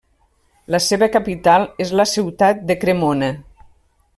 La seva capital és la ciutat de Cremona.